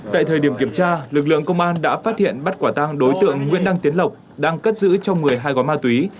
tại thời điểm kiểm tra lực lượng công an đã phát hiện bắt quả tăng đối tượng nguyễn đăng tiến lộc đang cất giữ trong một mươi hai gói ma túy